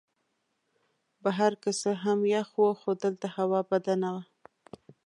بهر که څه هم یخ وو خو دلته هوا بده نه وه.